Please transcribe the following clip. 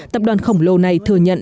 tập đoàn khổng lồ này thừa nhận